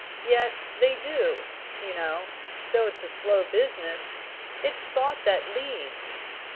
Yet they do, you know, though it's a slow business. It's thought that leads."